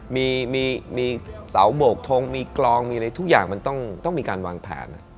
มีเสาโบกทงมีกลองมีอะไรทุกอย่างมันต้องมีการวางแผน